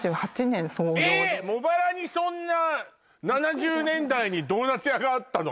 茂原にそんな７０年代にドーナツ屋があったの？